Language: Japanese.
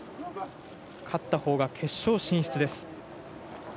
勝ったほうが決勝進出。